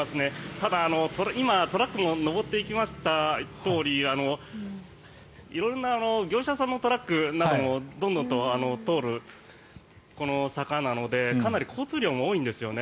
ただ、今、トラックも上っていきましたとおり色んな業者さんのトラックなどもどんどんと通る坂なのでかなり交通量が多いんですよね。